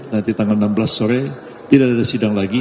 nanti tanggal enam belas sore tidak ada sidang lagi